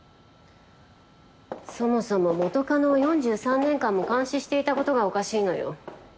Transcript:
そもそも元カノを４３年間も監視していた事がおかしいのよ。